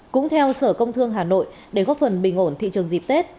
cũng theo sở công thương hà nội để góp phần bình ổn thị trường dịp tết